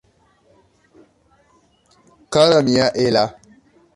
Kara mia Ella!